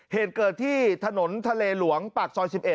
เหตุเกิดที่ถนนทะเลหลวงปากซอย๑๑